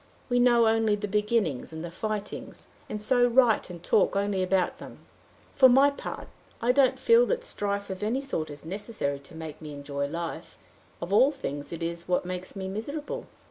We know only the beginnings and the fightings, and so write and talk only about them. For my part, I don't feel that strife of any sort is necessary to make me enjoy life; of all things it is what makes me miserable.